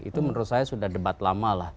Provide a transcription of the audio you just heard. itu menurut saya sudah debat lama lah